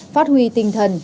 phát huy tinh thần